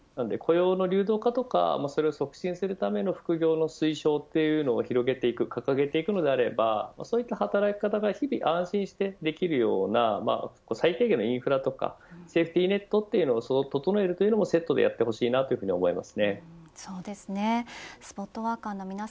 雇用の流動化とか、それを促進するための副業の推進というのを掲げていくのであればそういった働き方が日々安心してできるような最低限のインフラとかセーフティーネットを整えるというのもセットでやってほしいと思いますね。